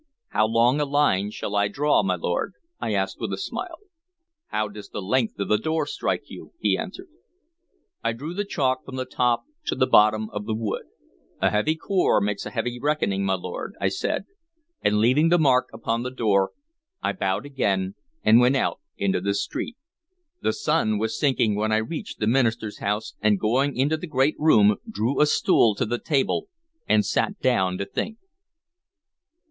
"How long a line shall I draw, my lord?" I asked with a smile. "How does the length of the door strike you?" he answered. I drew the chalk from top to bottom of the wood. "A heavy Core makes a heavy reckoning, my lord," I said, and, leaving the mark upon the door, I bowed again and went out into the street. The sun was sinking when I reached the minister's house, and going into the great room drew a stool to the table and sat down to think.